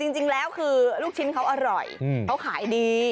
จริงแล้วคือลูกชิ้นเขาอร่อยเขาขายดี